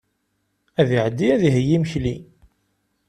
Ad iɛeddi ad iheyyi imekli.